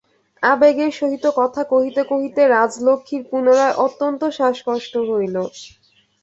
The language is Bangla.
আবেগের সহিত কথা কহিতে কহিতে রাজলক্ষ্মীর পুনরায় অত্যন্ত শ্বাসকষ্ট হইল।